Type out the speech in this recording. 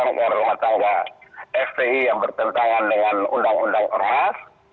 anggaran rumah tangga spi yang bertentangan dengan undang undang ormas